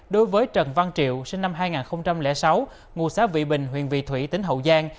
đối với trần văn triệu sinh năm hai nghìn sáu ngụ xã vị bình huyện vị thủy tỉnh hậu giang